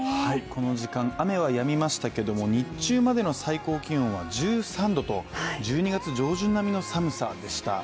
この時間、雨はやみましたけども日中までの最高気温は１３度と、１２月上旬並みの寒さでした。